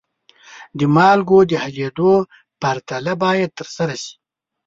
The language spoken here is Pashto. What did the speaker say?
د مالګو د حلیدو پرتله باید ترسره شي.